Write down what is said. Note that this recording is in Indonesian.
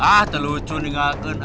ah telucu nih gak akan